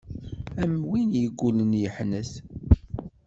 Am win yeggullen yeḥnet.